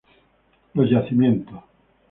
Los yacimientos.